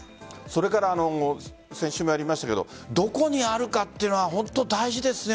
それから、先週もやりましたがどこにあるかというのは本当に大事ですね。